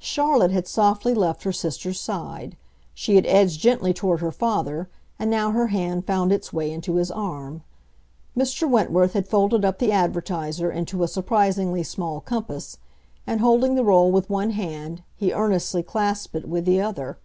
Charlotte had softly left her sister's side. She had edged gently toward her father, and now her hand found its way into his arm. Mr. Wentworth had folded up the Advertiser into a surprisingly small compass, and, holding the roll with one hand, he earnestly clasped it with the other.